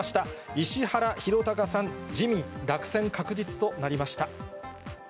石原宏高さん、自民、落選確実となりました。